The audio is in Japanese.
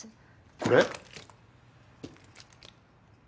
これ？